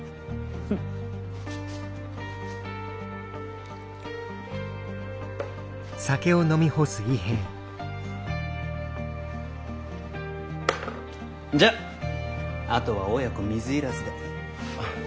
んじゃあとは親子水入らずで。